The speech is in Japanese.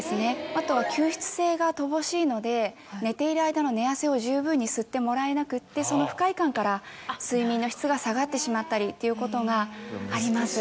あとは吸湿性が乏しいので寝ている間の寝汗を十分に吸ってもらえなくってその不快感から睡眠の質が下がってしまったりっていうことがあります。